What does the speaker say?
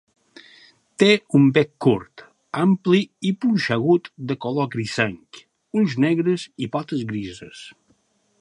Té un bec curt, ampli i punxegut de color grisenc, ulls negres i potes grises.